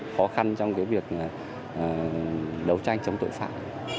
khó khăn trong cái việc đấu tranh chống tội phạm